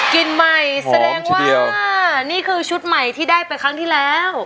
กินใหม่แสดงว่านี่คือชุดใหม่ที่ได้ไปครั้งที่แล้ว